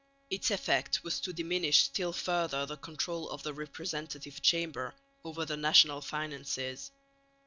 Its effect was to diminish still further the control of the Representative Chamber over the national finances.